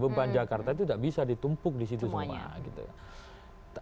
beban jakarta itu tidak bisa ditumpuk di situ semua